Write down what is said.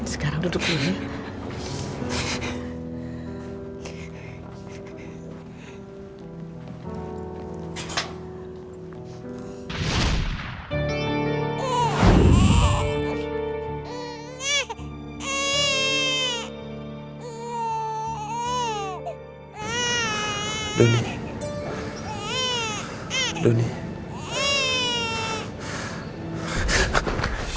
sekarang duduk dulu ya